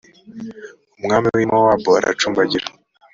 umwami wi mowabu aracumbagira.